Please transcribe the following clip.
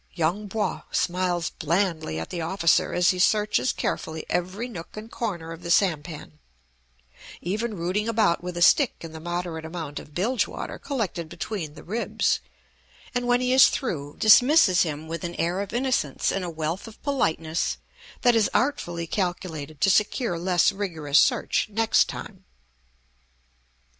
Yung Po smiles blandly at the officer as he searches carefully every nook and corner of the sampan, even rooting about with a stick in the moderate amount of bilge water collected between the ribs, and when he is through, dismisses him with an air of innocence and a wealth of politeness that is artfully calculated to secure less rigorous search next time.